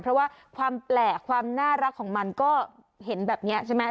เพราะว่าความแปลกความน่ารักของมันก็เห็นแบบนี้ใช่ไหม